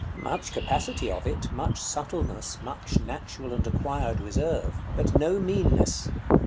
Much capacity of it, much subtlety, much natural and acquired reserve; but no meanness.